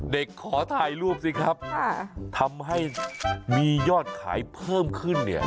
ขอถ่ายรูปสิครับทำให้มียอดขายเพิ่มขึ้นเนี่ย